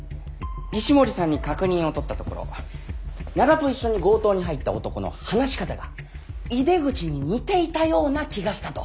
石森さんに確認をとったところ灘と一緒に強盗に入った男の話し方が井出口に似ていたような気がしたと。